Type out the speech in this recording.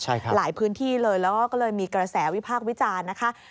หลายพื้นที่เลยแล้วก็เลยมีกระแสวิพากษ์วิจารณ์นะคะ